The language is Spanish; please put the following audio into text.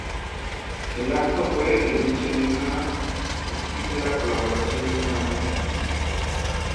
El acto fue el inicio de una fructífera colaboración entre ambos científicos.